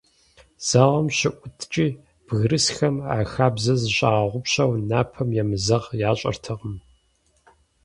Зауэм щыӀуткӀи, бгырысхэм, а хабзэр зыщагъэгъупщэу, напэм емызэгъ ящӀэртэкъым.